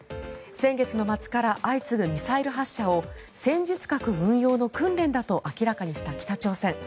先月の末から相次ぐミサイル発射を戦術核運用の訓練だと明らかにした北朝鮮。